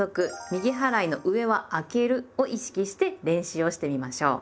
「右払いの上はあける」を意識して練習をしてみましょう。